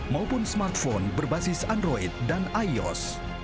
maupun smartphone berbasis android dan ios